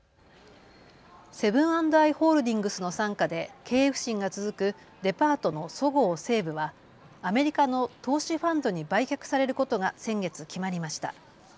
セブン＆アイ・ホールディングスの傘下で経営不振が続くデパートのそごう・西武はアメリカの投資ファンドに売却されることが先月、決まりました。